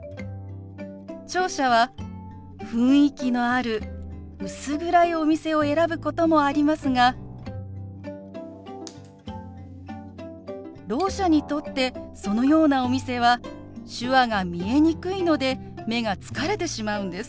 聴者は雰囲気のある薄暗いお店を選ぶこともありますがろう者にとってそのようなお店は手話が見えにくいので目が疲れてしまうんです。